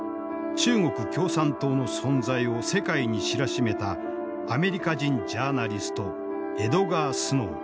中国共産党の存在を世界に知らしめたアメリカ人ジャーナリストエドガー・スノー。